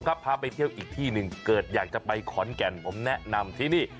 พาไปเที่ยวอีกที่หนึ่งเกิดอยากจะไปขอนแก่นผมแนะนำที่นี่